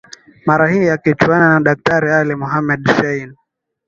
Mara hii akichuana na Daktari Ali Mohamed Shein